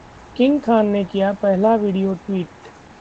king Khan ने किया पहला 'वीडियो ट्वीट'